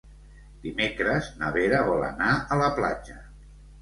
Dimecres na Vera vol anar a la platja.